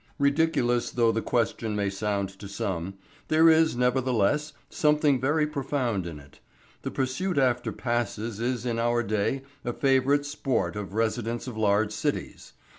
Ridiculous though the question may sound to some, there is, nevertheless, something very profound in it. The pursuit after passes is in our day a favourite "sport" of residents of large cities.